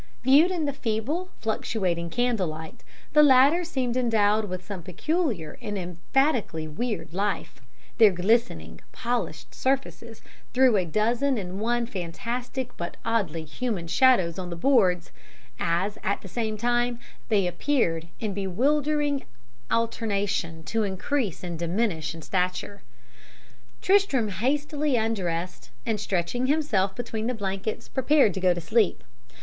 "Viewed in the feeble, fluctuating candlelight, the latter seemed endowed with some peculiar and emphatically weird life their glistening, polished surfaces threw a dozen and one fantastic but oddly human shadows on the boards, as at the same time they appeared in bewildering alternation to increase and diminish in stature. "Tristram hastily undressed, and stretching himself between the blankets, prepared to go to sleep.